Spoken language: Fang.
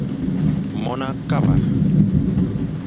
Mon a kaba.